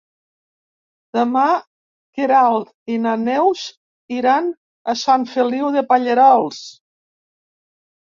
Demà na Queralt i na Neus iran a Sant Feliu de Pallerols.